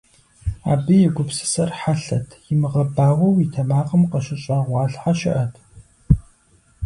Абы и гупсысэр хьэлъэт, имыгъэбауэу и тэмакъым къыщыщӀэгъуалъхьэ щыӀэт.